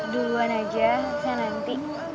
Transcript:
duluan aja nanti